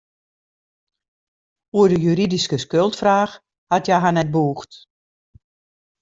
Oer de juridyske skuldfraach hat hja har net bûgd.